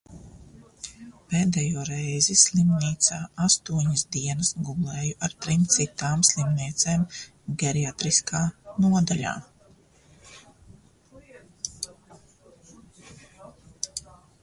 Pēdējo reizi slimnīcā astoņas dienas gulēju ar trim citām slimniecēm geriatriskā nodaļā.